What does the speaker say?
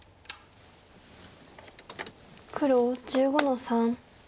黒１５の三ツギ。